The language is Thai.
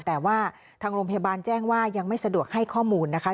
แต่ว่าทางโรงพยาบาลแจ้งว่ายังไม่สะดวกให้ข้อมูลนะคะ